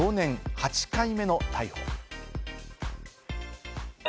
８回目の逮捕。